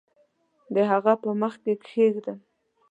د هغه په مخ کې کښېږدم